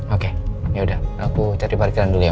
oke yaudah aku cari parkiran dulu ya